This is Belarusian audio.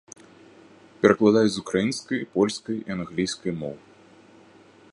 Перакладае з украінскай, польскай і англійскай моў.